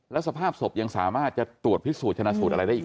แล้วสภาพศพยังสามารถจะตรวจพิสูจนชนะสูตรอะไรได้อีก